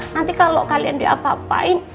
nanti kalau kalian diapa apain